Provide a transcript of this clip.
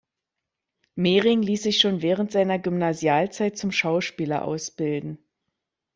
Mehring ließ sich schon während seiner Gymnasialzeit zum Schauspieler ausbilden.